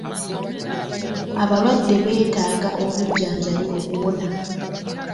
Abalwadde beetaaga obujjanjabi okuwona.